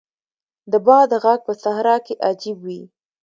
د باد ږغ په صحرا کې عجیب وي.